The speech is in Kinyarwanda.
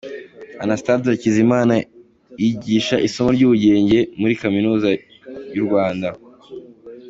Anastase Hakizimana yigishaga isomo ry’ubugenge “phyisics” muri Kaminuza y’u Rwanda.